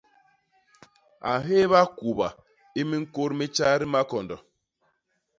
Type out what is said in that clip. A hééba kuba i miñkôt mi tjay di makondo!